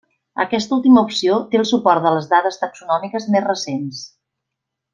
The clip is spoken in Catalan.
Aquesta última opció té el suport de les dades taxonòmiques més recents.